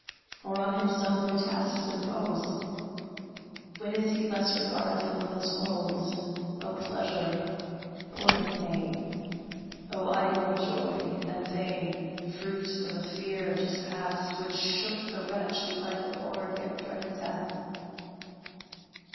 Or on himself new tasks impose? When is he less regardful of his woes? O pleasure, born of pain! O idle joy, and vain, Fruit of the fear just passed, which shook The wretch who life abhorred, yet dreaded death!